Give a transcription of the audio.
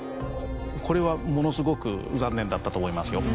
これはものすごく残念だったと思いますよ。